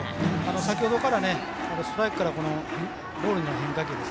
先ほどからストライクからボールになる変化球。